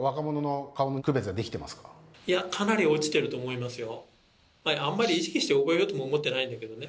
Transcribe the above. いやかなり落ちてると思いますよ。